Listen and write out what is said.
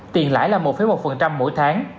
tiền lãi là một một mỗi tháng